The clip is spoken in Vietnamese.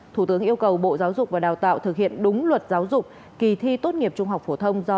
thủ tướng yêu cầu bộ giáo dục và đào tạo thực hiện đúng luật giáo dục kỳ thi tốt nghiệp trung học phổ thông do